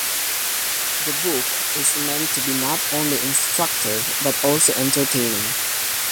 The book is meant to be not only instructive but also entertaining.